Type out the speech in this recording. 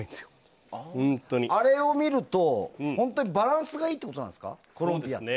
あれを見ると、バランスがいいってことなんですか？